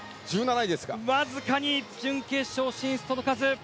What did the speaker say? わずかに準決勝進出届かず。